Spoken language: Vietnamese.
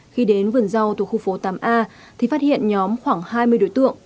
khi đến vườn rau thuộc khu phố tám a thì phát hiện nhóm khoảng hai mươi đối tượng